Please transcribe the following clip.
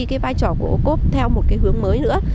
cái vai trò của ô cốt theo một hướng mới nữa